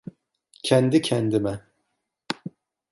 Kendi kendime.